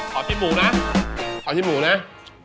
ขอชิมหมูนะขอชิมหมูเลย